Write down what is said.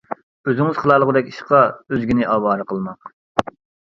ئۆزىڭىز قىلالىغۇدەك ئىشقا ئۆزگىنى ئاۋارە قىلماڭ.